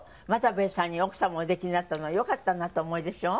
又兵衛さんに奥様おできになったのはよかったなとお思いでしょ？